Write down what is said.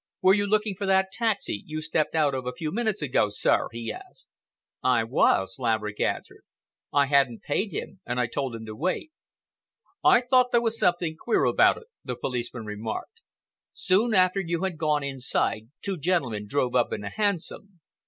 "Were you looking for that taxi you stepped out of a few minutes ago, sir?" he asked. "I was," Laverick answered. "I hadn't paid him and I told him to wait." "I thought there was something queer about it," the policeman remarked. "Soon after you had gone inside, two gentlemen drove up in a hansom.